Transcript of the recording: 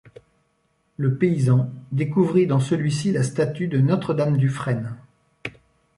Le paysan découvrit dans celui-ci la statue de Notre-Dame-du-Frêne.